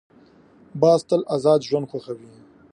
باز تل آزاد ژوند خوښوي